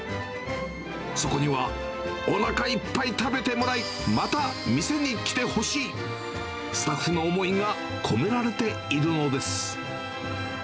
そこには、おなかいっぱい食べてもらい、また店に来てほしい、スタッフの思いが込められているのです。